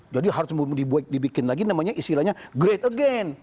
jadi harus dibuat dibikin lagi namanya istilahnya great again